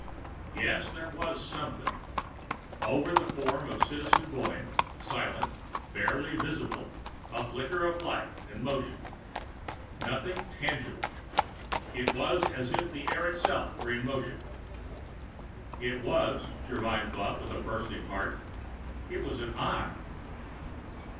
Yes, there was something. Over the form of Citizen Boyne, silent, barely visible, a flicker of life and motion. Nothing tangible. It was as if the air itself were in motion. It was, Germyn thought with a bursting heart it was an Eye!